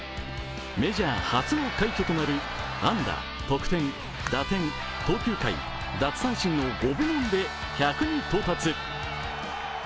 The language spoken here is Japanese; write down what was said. メジャー初の快挙となる安打、得点、打点、投球回、奪三振の５部門で１００に到達。